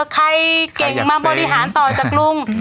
ใครเก่งมาบริหารต่อจากลุง